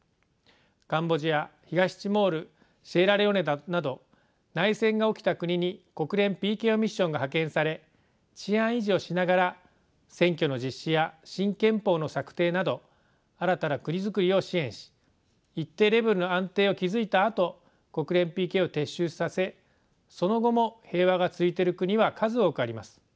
カンボジア東ティモールシエラレオネなど内戦が起きた国に国連ＰＫＯミッションが派遣され治安維持をしながら選挙の実施や新憲法の策定など新たな国づくりを支援し一定レベルの安定を築いたあと国連ＰＫＯを撤収させその後も平和が続いている国は数多くあります。